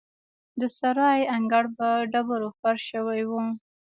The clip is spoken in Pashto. د سرای انګړ په ډبرو فرش شوی و.